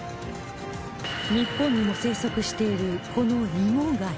日本にも生息しているこのイモガイ